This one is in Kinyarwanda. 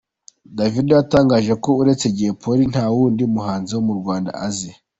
Davido yatangaje ko uretse Jay Polly nta wundi muhanzi wo mu Rwanda azi.